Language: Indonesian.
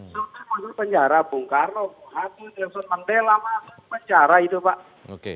suka masuk penjara bung karno bung hatun nelson mandela masuk penjara itu pak